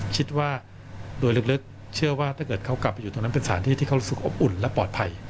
คิดว่าโดยลึกเชื่อว่าถ้าเกิดเขากลับไปอยู่ตรงนั้นเป็นสถานที่ที่เขารู้สึกอบอุ่นและปลอดภัย